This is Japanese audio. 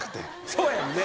そうやんね。